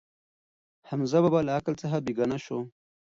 حمزه بابا له عقل څخه بېګانه شو.